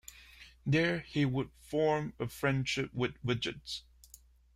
There he would form a friendship with Widget.